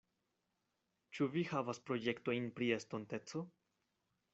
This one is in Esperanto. Ĉu vi havas projektojn pri estonteco?